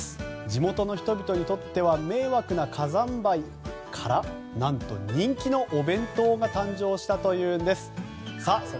地元の人々にとっては迷惑な火山灰から何と人気のお弁当が誕生したというんです。